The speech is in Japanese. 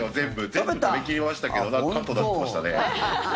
全部食べ切りましたけどなんかカットになってましたね。